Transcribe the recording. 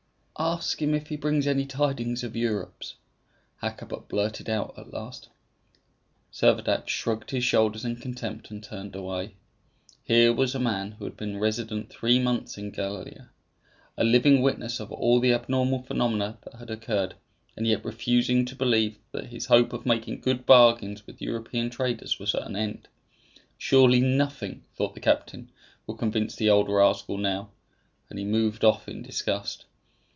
"Ask him if he brings any tidings of Europe," Hakkabut blurted out at last. Servadac shrugged his shoulders in contempt and turned away. Here was a man who had been resident three months in Gallia, a living witness of all the abnormal phenomena that had occurred, and yet refusing to believe that his hope of making good bargains with European traders was at an end. Surely nothing, thought the captain, will convince the old rascal now; and he moved off in disgust.